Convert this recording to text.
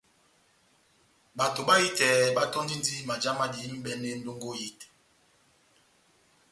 Bato bahitɛ batɔ́ndindi majá ma dihidi m'ibɛne ndongo ehitɛ.